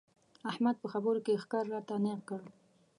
احمد په خبرو کې ښکر راته نېغ کړل.